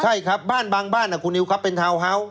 ใช่ครับบ้านบางบ้านคุณนิวครับเป็นทาวน์ฮาส์